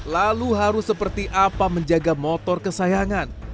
lalu harus seperti apa menjaga motor kesayangan